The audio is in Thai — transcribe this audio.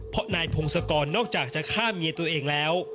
เพราะนายพงศกรนอกจากจะฆ่าเมียตัวเองแล้ว